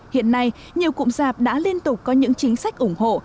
hiện nay nhiều cụm giạp đã liên tục có những chính sách ủng hộ